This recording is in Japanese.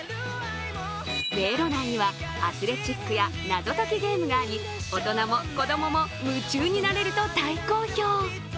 迷路内にはアスレチックや謎解きゲームがあり大人も子供も夢中なれると大好評。